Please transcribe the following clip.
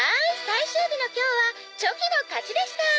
最終日の今日はチョキの勝ちでした」